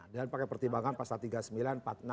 dan pakai pertimbangan pasal tiga puluh sembilan